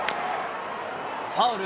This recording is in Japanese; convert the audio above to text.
ファウル。